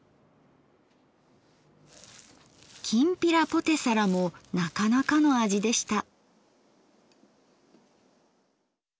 きんぴらポテサラもなかなかの味でした。